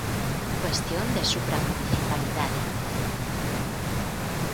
Cuestión de supramunicipalidade.